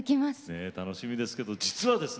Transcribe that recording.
ねえ楽しみですけど実はですね